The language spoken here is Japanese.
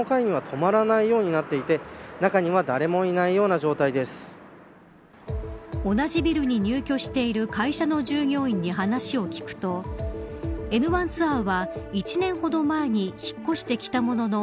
旅行会社なんですけれども同じビルに入居している会社の従業員に話を聞くとエヌワンツアーは１年ほど前に引っ越してきたものの